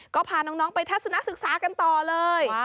ก็พาน้องไปทัศนศึกษากันต่อเลย